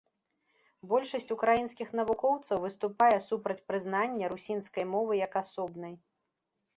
Большасць украінскіх навукоўцаў выступае супраць прызнання русінскай мовы як асобнай.